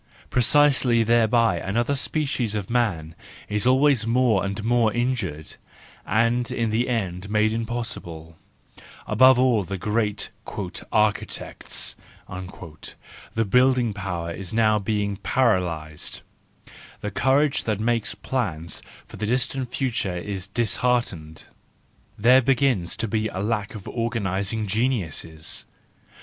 Precisely thereby another species of man is always more and more injured, and in 304 THE JOYFUL WISDOM, V the end made impossible: above all the great " architects "; the building power is now being paralysed ; the courage that makes plans for the distant future is disheartened; there begins to be a lack of organising geniuses.